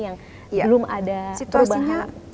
yang belum ada perubahan